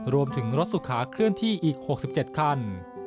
รวมถึงรถสุขาเคลื่อนที่อีก๖๗คัน